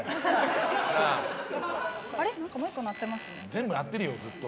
全部鳴ってるよずっと。